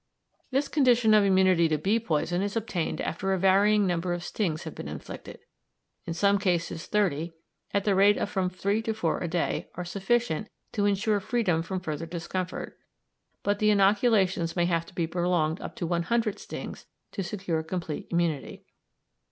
This condition of immunity to bee poison is obtained after a varying number of stings have been inflicted; in some cases thirty, at the rate of from three to four a day, are sufficient to ensure freedom from further discomfort, but the inoculations may have to be prolonged up to one hundred stings to secure complete immunity.